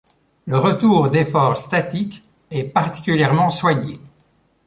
Le retour d'effort statique est particulièrement soigné.